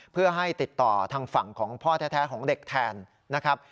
เพื่อให้ติดต่อทางฝั่งของพ่อแท้ของเด็กแทนนะครับ